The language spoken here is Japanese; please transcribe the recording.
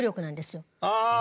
ああ！